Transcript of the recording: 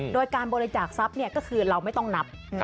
โดยการบริจาคทรัพย์ก็คือเราไม่ต้องนับ